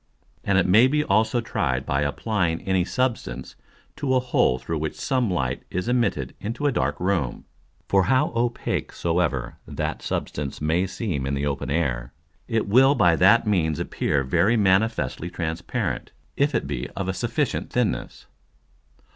And it may be also tried by applying any substance to a hole through which some Light is immitted into a dark Room. For how opake soever that Substance may seem in the open Air, it will by that means appear very manifestly transparent, if it be of a sufficient thinness.